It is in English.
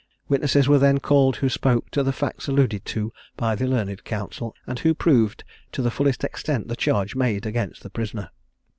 Witnesses were then called who spoke to the facts alluded to by the learned counsel, and who proved to the fullest extent the charge made against the prisoner.